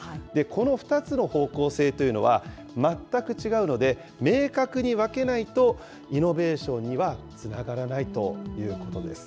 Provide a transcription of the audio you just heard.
この２つの方向性というのは、全く違うので、明確に分けないとイノベーションにはつながらないということです。